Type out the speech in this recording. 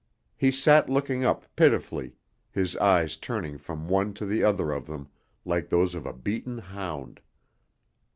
He sat looking up pitifully, his eyes turning from one to the other of them like those of a beaten hound.